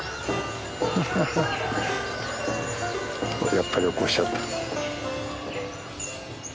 やっぱり起こしちゃった。